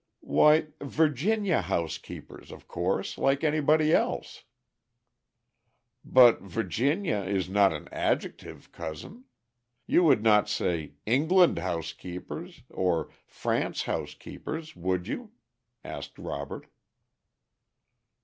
"Why, Virginia housekeepers, of course, like anybody else." "But 'Virginia' is not an adjective, cousin. You would not say 'England housekeepers' or 'France housekeepers,' would you?" asked Robert.